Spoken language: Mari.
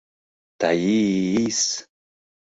— Таи-ис!!!